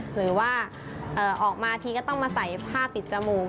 หรือว่าออกมาทีก็ต้องมาใส่ผ้าปิดจมูก